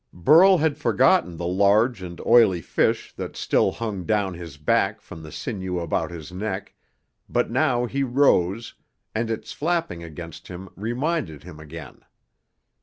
Burl had forgotten the large and oily fish that still hung down his back from the sinew about his neck, but now he rose, and its flapping against him reminded him again.